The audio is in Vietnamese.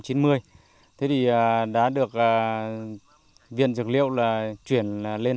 thế thì đã được viện dược liệu chuyển lên hà giang